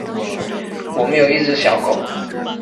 我们有一只小狗